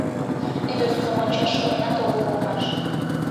Ӱдыр тудым ончаш шоненат огыл улмаш: